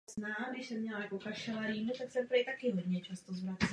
Čočka je velmi pružná.